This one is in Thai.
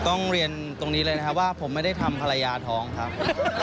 ต้องเรียนตรงนี้เลยนะครับว่าผมไม่ได้ทำภรรยาท้องครับ